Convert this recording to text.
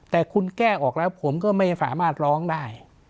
แต่คุณแก้ออกแล้วผมก็ไม่สามารถร้องได้